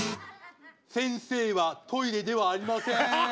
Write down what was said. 先生はトイレではありません！